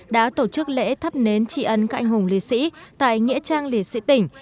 đã tổ chức lễ thắp nến trị ân các anh hùng liệt sĩ tại nghĩa trang liệt sĩ tỉnh